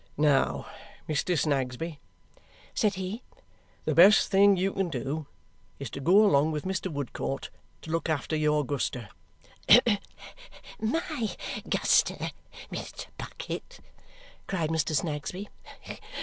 "Now, Mr. Snagsby," said he, "the best thing you can do is to go along with Mr. Woodcourt to look after your Guster " "My Guster, Mr. Bucket!" cried Mr. Snagsby.